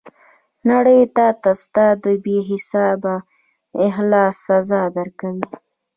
نړۍ تاته ستا د بې حسابه اخلاص سزا درکوي.